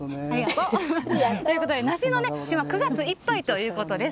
ということで梨の収穫は９月いっぱいということです。